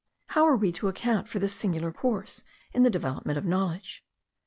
How are we to account for this singular course in the development of knowledge?